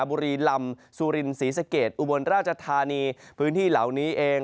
บุรีลำสุรินศรีสะเกดอุบลราชธานีพื้นที่เหล่านี้เอง